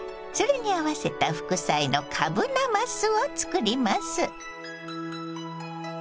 それに合わせた副菜のかぶなますを作ります。